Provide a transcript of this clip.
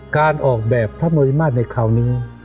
การออกแบบพระบริมาตรในคราวนี้